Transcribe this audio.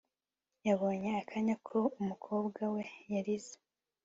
yabonye akanya ko umukobwa we yarize